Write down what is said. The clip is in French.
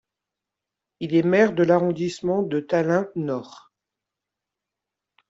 Il est maire de l'arrondissement de Tallinn-Nord.